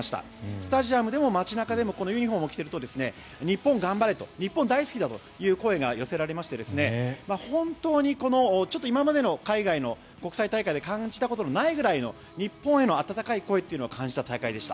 スタジアムでも街中でもこのユニホームを着ていると日本、頑張れと日本、大好きだという声が寄せられまして本当に今までの海外の国際大会で感じたことのないくらいの日本への温かい声を感じた大会でした。